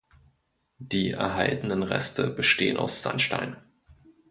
Die erhaltenen Reste bestehen aus Sandstein.